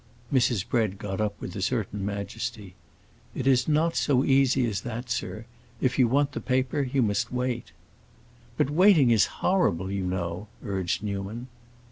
Mrs. Bread got up with a certain majesty. "It is not so easy as that, sir. If you want the paper, you must wait." "But waiting is horrible, you know," urged Newman.